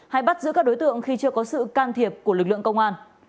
hay bắt giữ các đối tượng khi chưa có sự can thiệp của lực lượng công an